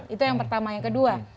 itu yang pertama yang kedua